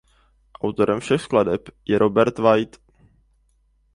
Autorem všech skladeb je Robert Wyatt.